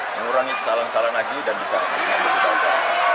mengurangi kesalahan kesalahan lagi dan bisa menanggung kita